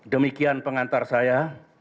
demikian pengantar saya